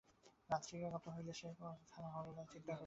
রাত্রি কত হইল সে কথা হরলাল চিন্তাও করিল না ।